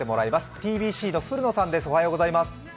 ｔｂｃの古野さんです。